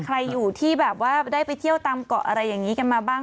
ใครอยู่ที่แบบว่าได้ไปเที่ยวตามเกาะอะไรอย่างนี้กันมาบ้าง